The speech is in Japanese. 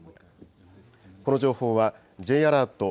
この情報は、Ｊアラート